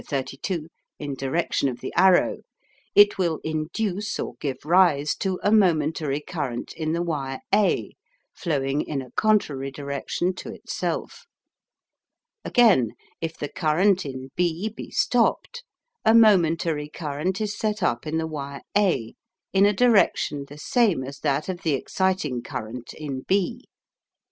32) in direction of the arrow, it will induce or give rise to a momentary current in the wire A, flowing in a contrary direction to itself. Again, if the current in B be STOPEED, a momentary current is set up in the wire A in a direction the same as that of the exciting current in B.